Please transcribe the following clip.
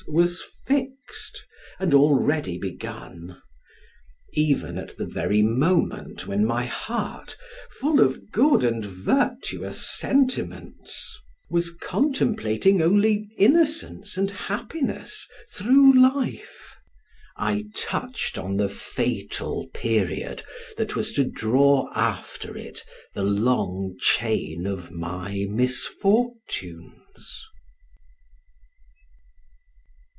was fixed, and already begun: even at the very moment when my heart, full of good and virtuous sentiments, was contemplating only innocence and happiness through life, I touched on the fatal period that was to draw after it the long chain of my misfortunes!